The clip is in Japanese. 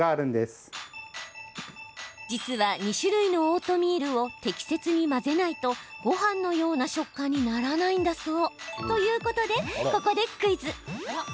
実は、２種類のオートミールを適切に混ぜないとごはんのような食感にならないんだそう。ということで、ここでクイズ！